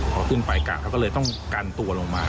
พอขึ้นไปกะเขาก็เลยต้องกันตัวลงมา